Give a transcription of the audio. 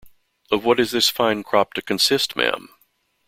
Of what is this fine crop to consist, ma'am?